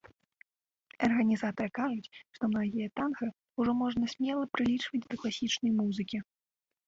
Арганізатары кажуць, што многія танга ўжо можна смела прылічваць да класічнай музыкі.